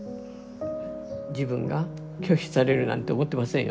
自分が拒否されるなんて思ってませんよね。